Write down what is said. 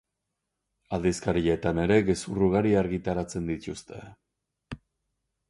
Aldizkarietan ere gezur ugari argitaratzen dituzte.